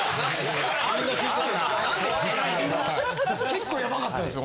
結構ヤバかったですよ。